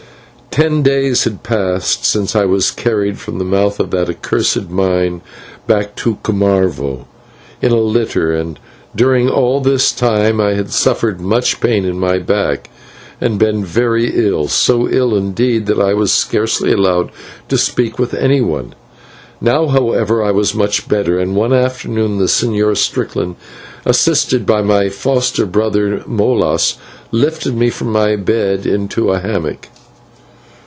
Ten days had passed since I was carried from the mouth of that accursed mine back to Cumarvo in a litter, and during all this time I had suffered much pain in my back, and been very ill so ill, indeed, that I was scarcely allowed to speak with anyone. Now, however, I was much better, and one afternoon the Señor Strickland, assisted by my foster brother Molas, lifted me from my bed into a hammock.